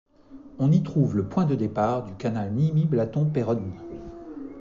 On y trouve le point de départ du Canal Nimy-Blaton-Péronnes.